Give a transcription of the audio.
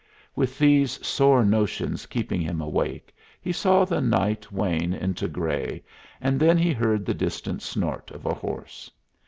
With these sore notions keeping him awake, he saw the night wane into gray, and then he heard the distant snort of a horse.